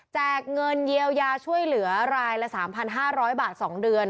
เงินเยียวยาช่วยเหลือรายละ๓๕๐๐บาท๒เดือน